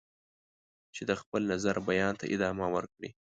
چې د خپل نظر بیان ته ادامه ورکړي.